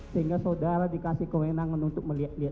sehingga saudara dikasih kewenangan untuk melihat tv nya